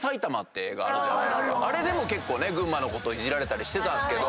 あれでも結構ね群馬のこといじられたりしてたんすけど。